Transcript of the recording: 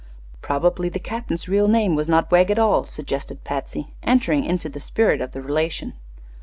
"Probably the captain's real name was not Wegg, at all," suggested Patsy, entering into the spirit of the relation.